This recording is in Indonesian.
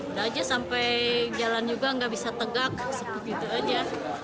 udah aja sampai jalan juga nggak bisa tegak seperti itu aja